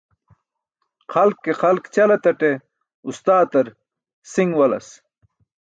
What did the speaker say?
Xalk ke xalk ćal etaṭe ustaatar si̇ṅ walas.